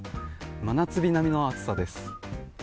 真夏日並みの暑さです。